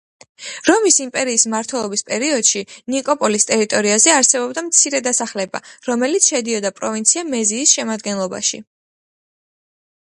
რომის იმპერიის მმართველობის პერიოდში ნიკოპოლის ტერიტორიაზე არსებობდა მცირე დასახლება, რომელიც შედიოდა პროვინცია მეზიის შემადგენლობაში.